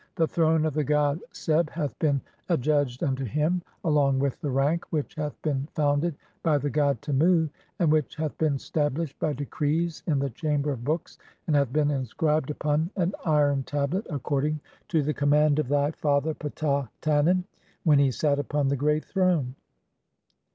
The throne of the god Seb hath been "adjudged unto him, (14) along with the rank which hath been "founded by the god Temu, and which hath been stablished "by decrees in the Chamber of books, and hath been inscribed "upon an iron tablet according to the command (15) of thy "father Ptah Tanen, [when he sat upon] the great throne.